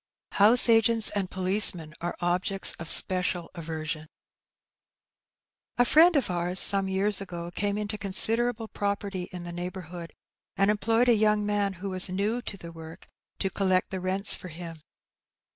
House agents and policemen are objects of special aversion. A friend of ours, some years ago, caiue into considerable property in the neighbourhood, and employed a young man who was new to the work to collect the rents for him.